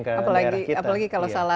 ke daerah kita apalagi kalau